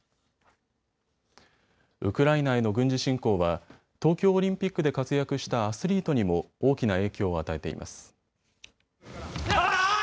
ウクライナへの軍事侵攻は東京オリンピックで活躍したアスリートにも大きな影響を与えています。